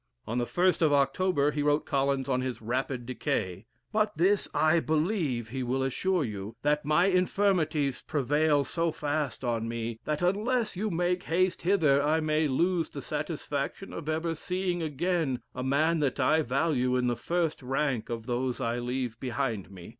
On the 1st of October he wrote Collins on his rapid decay, "But this, I believe, he will assure you, that my infirmities prevail so fast on me, that unless you make haste hither, I may lose the satisfaction of ever seeing again a man that I value in the first rank of those I leave behind me."